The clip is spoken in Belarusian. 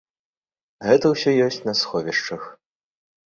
Гэта ўсё ёсць на сховішчах.